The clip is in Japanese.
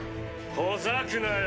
ほざくなよ！